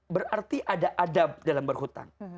berarti ada adab dalam berhutang